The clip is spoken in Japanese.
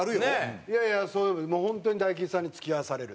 いやいや本当に大吉さんに付き合わされる。